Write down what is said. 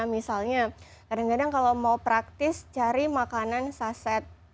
misalnya kadang kadang kalau mau praktis cari makanan saset